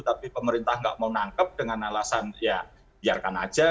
tapi pemerintah nggak mau nangkep dengan alasan ya biarkan aja